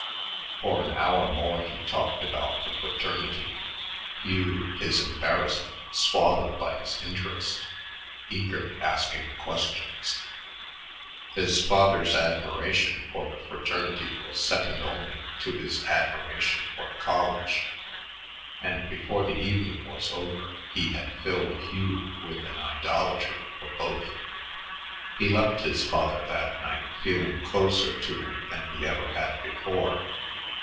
For an hour more he talked about the fraternity. Hugh, his embarrassment swallowed by his interest, eagerly asking questions. His father's admiration for the fraternity was second only to his admiration for the college, and before the evening was over he had filled Hugh with an idolatry for both. He left his father that night feeling closer to him than he ever had before.